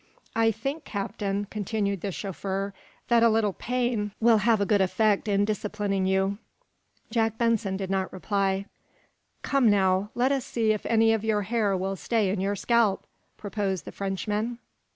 "I think, Captain," continued the chauffeur, "that a little pain will have a good effect in disciplining you." Jack Benson did not reply. "Come, now! Let us see if any of your hair will stay in your scalp?" proposed the Frenchman.